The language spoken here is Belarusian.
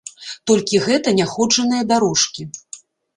Толькі гэта няходжаныя дарожкі.